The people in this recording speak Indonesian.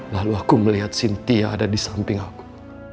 lalu aku melihat sintia ada di samping aku